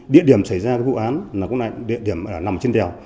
địa điểm xảy ra vụ án là địa điểm nằm trên đèo